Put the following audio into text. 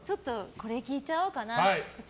これ聞いちゃおうかな。